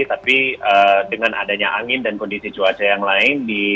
tapi dengan adanya angin dan kondisi cuaca yang lain